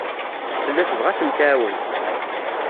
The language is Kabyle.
Tella tebɣa ad tent-tɛawen.